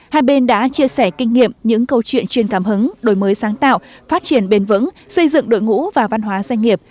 hai bên đã chia sẻ kinh nghiệm những câu chuyện chuyên cảm hứng đổi mới sáng tạo phát triển bền vững xây dựng đội ngũ và văn hóa doanh nghiệp